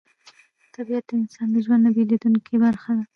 طبیعت د انسان د ژوند نه بېلېدونکې برخه ده